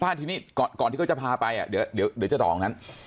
ป้าทีนี้ก่อนที่เขาจะพาไปอ่ะเดี๋ยวเดี๋ยวเดี๋ยวจะต่อของนั้น